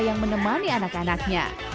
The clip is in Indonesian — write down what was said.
yang menemani anak anaknya